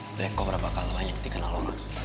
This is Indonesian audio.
black cobra bakal banyak dikenal lo